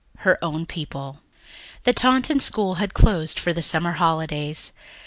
Her Own People The Taunton School had closed for the summer holidays.